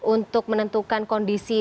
untuk menentukan kondisi